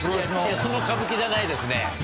そのカブキじゃないですね。